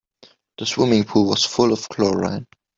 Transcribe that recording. The swimming pool was full of chlorine.